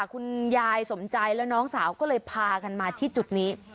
คุณยายสมใจแล้วน้องสาวก็เลยพากันมาที่จุดนี้